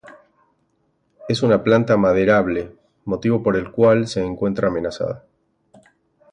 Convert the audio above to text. Es una planta maderable, motivo por el cual se encuentra amenazada.